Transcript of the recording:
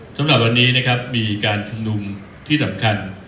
สำหรับวันนี้นะครับมีการชุมนุมที่สำคัญ